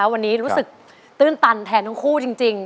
วันนี้รู้สึกตื้นตันแทนทั้งคู่จริง